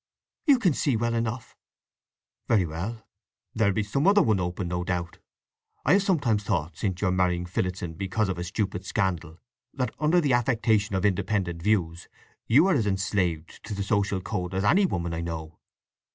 "You can see well enough!" "Very well; there'll be some other one open, no doubt. I have sometimes thought, since your marrying Phillotson because of a stupid scandal, that under the affectation of independent views you are as enslaved to the social code as any woman I know!"